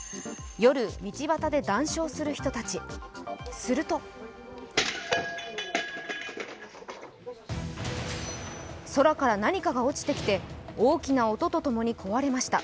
夜、道端で談笑する人たちすると空から何かが落ちてきて大きな音と共に壊れました。